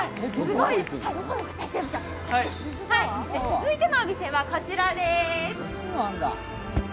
続いてのお店はこちらです。